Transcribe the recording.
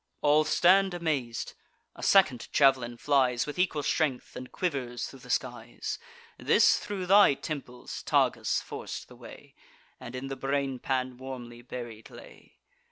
All stand amaz'd—a second jav'lin flies With equal strength, and quivers thro' the skies. This thro' thy temples, Tagus, forc'd the way, And in the brainpan warmly buried lay.